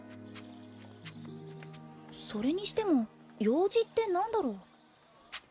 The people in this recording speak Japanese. それにしても用事って何だろ？